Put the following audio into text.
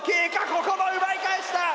ここも奪い返した！